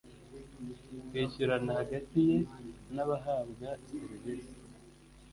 kwishyurana hagati ye n abahabwa serivisi